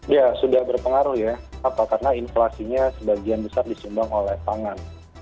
ya sudah berpengaruh ya karena inflasinya sebagian besar disumbang oleh pangan